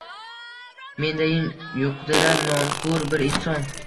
Mendayin yuqdira nonkur bir inson